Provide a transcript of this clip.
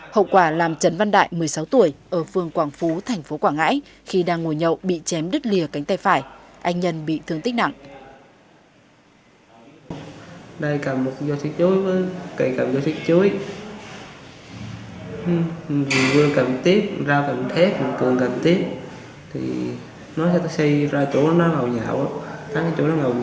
hậu quả làm trấn văn đại một mươi sáu tuổi ở phương quảng phú thành phố quảng ngãi khi đang ngồi nhậu bị chém đứt lìa cánh tay phải anh nhân bị thương tích nặng